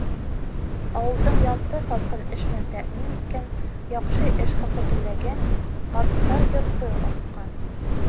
Ауылдың ярты халҡын эш менән тәьмин иткән, яҡшы эш хаҡы түләгән, «Ҡарттар йорто» асҡан